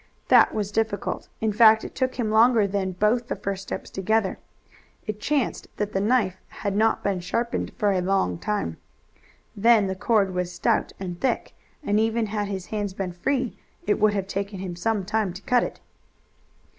That was difficult. In fact it took him longer than both the first steps together. It chanced that the knife had not been sharpened for a long time. Then the cord was stout and thick, and even had his hands been free it would have taken him some time to cut it.